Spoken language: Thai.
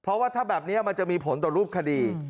เพราะว่าถ้าแบบนี้มันจะมีผลต่อรูปคดี